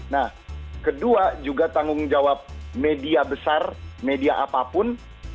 nah kedua juga tanggung jawab media besar media apapun